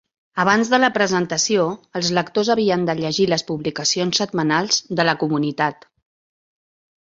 Abans de la presentació, els lectors havien de llegir les publicacions setmanals de la comunitat.